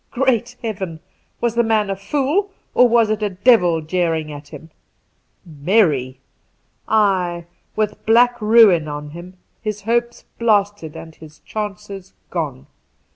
Great Heaven I was the man a fool, or was it a devil jeering at him? Merry ! Ay, with black ruin on him, his hopes blasted and his chances gone.